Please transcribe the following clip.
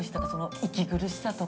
息苦しさとか。